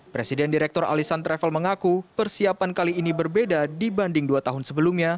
presiden direktur alisan travel mengaku persiapan kali ini berbeda dibanding dua tahun sebelumnya